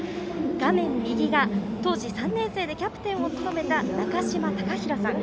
画面右が当時３年生でキャプテンを務めたなかしまたかひろさん。